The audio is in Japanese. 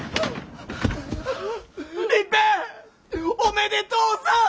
一平おめでとうさん！